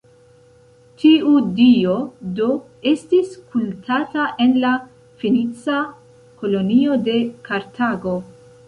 Tiu dio do, estis kultata en la fenica kolonio de Kartago.